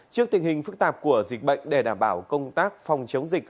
trước tình hình phức tạp của dịch bệnh để đảm bảo công tác phòng chống dịch